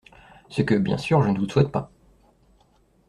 Ce que, bien sûr, je ne vous souhaite pas...